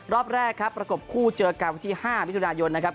รอบแรกครับประกบคู่เจอกันวันที่๕มิถุนายนนะครับ